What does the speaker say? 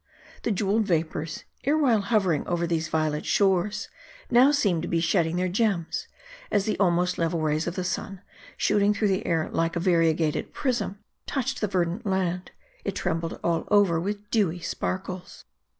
The jeweled vapors, ere while hovering over these violet shores, now seemed to be shedding their gems ; and as the almost level rays of the sun, shooting through the air like a variegated prism, touch ed the verdant land, it trembled all over with dewy sparkles.